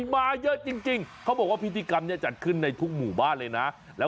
มาเยอะจริงเขาบอกว่าพิธีกรรมนี้จัดขึ้นในทุกหมู่บ้านเลยนะ